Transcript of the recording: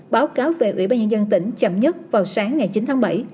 báo cáo về ủy ban nhân dân tỉnh chậm nhất vào sáng ngày chín tháng bảy